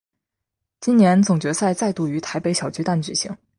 今年总决赛再度于台北小巨蛋举行。